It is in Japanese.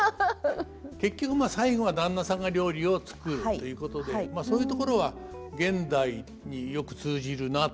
結局最後は旦那さんが料理を作るということでそういうところは現代によく通じるなというふうに思いますね。